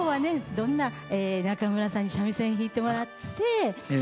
どんな中村さんに三味線弾いてもらって節が出るかな？